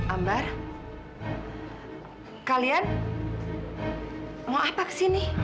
ambar kalian mau apa kesini